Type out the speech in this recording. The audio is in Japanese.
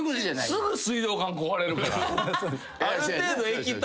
すぐ水道管壊れるから。